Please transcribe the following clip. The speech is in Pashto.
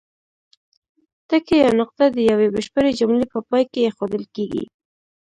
ټکی یا نقطه د یوې بشپړې جملې په پای کې اېښودل کیږي.